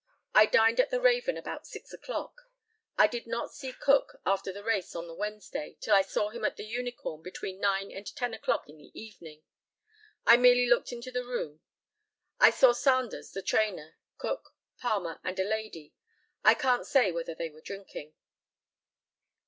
I dined at the Raven about 6 o'clock. I did not see Cook after the race on the Wednesday, till I saw him at the Unicorn, between 9 and 10 o'clock in the evening. I merely looked into the room. I saw Sandars, the trainer, Cook, Palmer, and a lady. I can't say whether they were drinking.